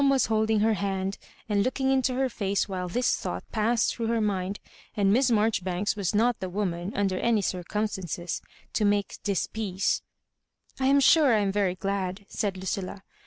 173 was holding her hand, and looking into her faoe while this thoi^ht passed through her mind, and Miss Marjoribe^B was not the woman, under any circumstances, to make dispeaoe. '^^ I am sure I am yery glad," said Lucilla.